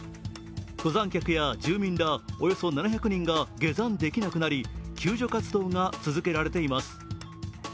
登山客や住民ら、およそ７００人が下山できなくなり、救助活動が続けられています。